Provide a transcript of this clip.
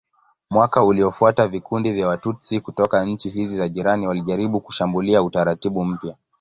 Mwaka uliofuata vikundi vya Watutsi kutoka nchi hizi za jirani walijaribu kushambulia utaratibu mpya.